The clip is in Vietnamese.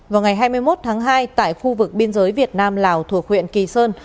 vào ngày hai mươi một tháng hai tại khu vực biên giới việt nam lào thuộc huyện kỳ sơn